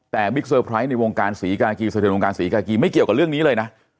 แต่บิ๊กเซอร์ไพรส์ในวงการศรีกาลกีไม่เกี่ยวกับเรื่องนี้เลยนะ